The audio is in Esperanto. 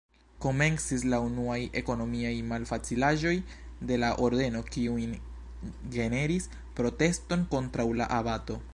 Komencis la unuaj ekonomiaj malfacilaĵoj de la Ordeno kiujn generis proteston kontraŭ la abato.